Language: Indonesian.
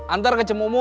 antar ke cemumun